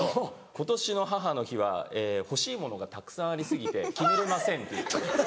「今年の母の日は欲しいものがたくさんあり過ぎて決めれません」っていって。